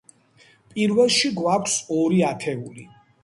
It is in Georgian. პირველში გვაქვს ორი ათეული.